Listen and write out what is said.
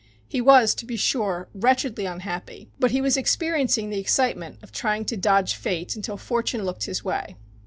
He was, to be sure, wretchedly unhappy, but he was experiencing the excitement of trying to dodge Fate until Fortune looked his way.